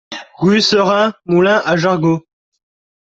Rue Serin Moulin à Jargeau